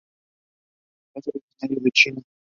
Es originario de China.